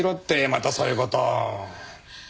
またそういう事を。